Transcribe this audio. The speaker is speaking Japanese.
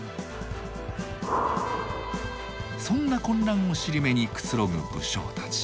そんな混乱を尻目にくつろぐ武将たち。